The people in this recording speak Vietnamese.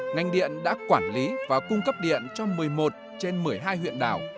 ngành điện đã quản lý và cung cấp điện cho một mươi một trên một mươi hai huyện đảo